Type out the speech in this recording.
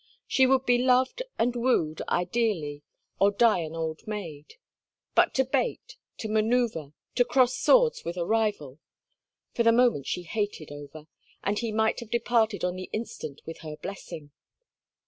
She would be loved and wooed ideally, or die an old maid. But to bait—to man[oe]uvre—to cross swords with a rival! For the moment she hated Over, and he might have departed on the instant with her blessing.